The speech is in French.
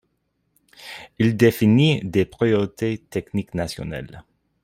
Il définit des priorités techniques nationales.